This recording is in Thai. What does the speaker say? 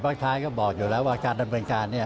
ท้ายก็บอกอยู่แล้วว่าการดำเนินการเนี่ย